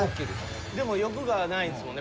でも欲がないですもんね？